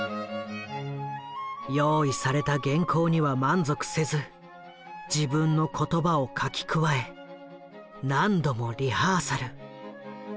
用意された原稿には満足せず自分の言葉を書き加え何度もリハーサル。